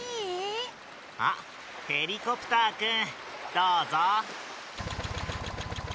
あっヘリコプターくんどうぞ。